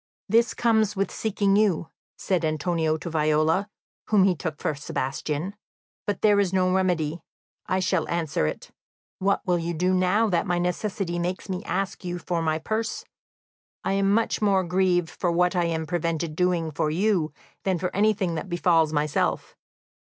"This comes with seeking you," said Antonio to Viola, whom he took for Sebastian; "but there is no remedy, I shall answer it. What will you do now that my necessity makes me ask you for my purse? I am much more grieved for what I am prevented doing for you than for anything that befalls myself.